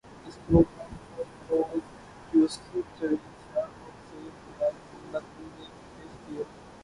اس program کو producer Javed Shah اور Syed Bilal Naqvi نے پیش کیا